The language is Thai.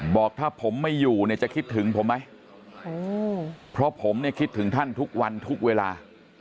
บอกถ้าผมไม่อยู่เนี่ยจะคิดถึงผมไหมเพราะผมเนี่ยคิดถึงท่านทุกวันทุกเวลา